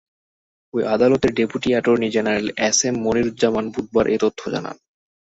ওই আদালতের deputy attorney general S M Moniruzzaman বুধবার এ তথ্য জানান।